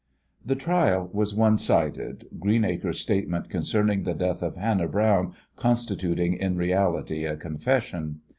The trial was one sided, Greenacre's statement concerning the death of Hannah Browne constituting, in reality, a confession.